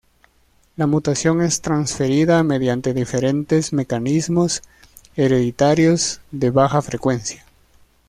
La mutación es transferida mediante diferentes mecanismos hereditarios de baja frecuencia.